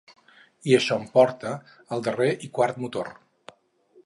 I això em porta al darrer i quart motor.